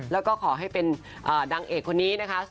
แล้วก็ขอให้เป็นนางเอกคนนี้นะคะ